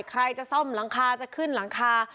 ใครจะซ่อมหลังคาจะขึ้นหลังคา